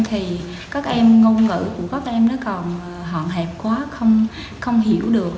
thì các em ngôn ngữ của các em nó còn hòn hẹp quá không hiểu được